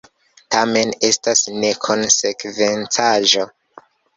Tamen estas nekonsekvencaĵo.